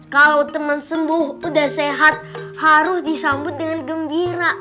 kalau teman sembuh udah sehat harus disambut dengan gembira